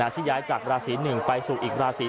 ที่ย้ายจากราศีหนึ่งไปสู่อีกราศี